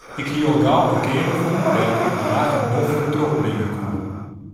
Ik hie al gau in keamer fûn dêr't ik de nachten noflik trochbringe koe.